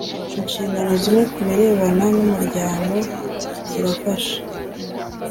inshingano zimwe kubirebana n umuryango zirafasha